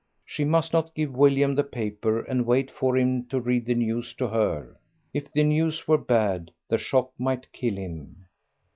She must not give William the paper and wait for him to read the news to her. If the news were bad the shock might kill him.